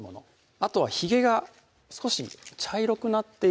あとはひげが少し茶色くなっているもの